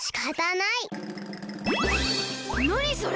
なにそれ！？